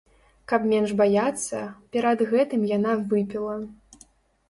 Каб менш баяцца, перад гэтым яна выпіла.